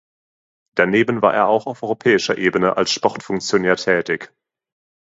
Daneben war er auch auf europäischer Ebene als Sportfunktionär tätig.